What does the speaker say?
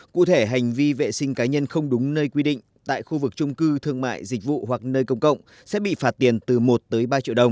cụ thể hành vi vệ sinh cá nhân không đúng nơi quy định tại khu vực trung cư thương mại dịch vụ hoặc nơi công cộng sẽ bị phạt tiền từ một tới ba triệu đồng